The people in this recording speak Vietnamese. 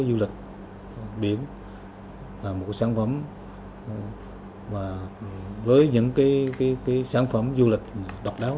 du lịch biển là một sản phẩm và với những sản phẩm du lịch độc đáo